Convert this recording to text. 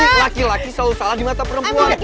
kenapa sih laki laki selalu salah di mata perempuan